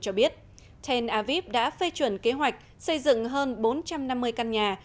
trong bài phát biểu đầu tiên trên truyền hình quốc gia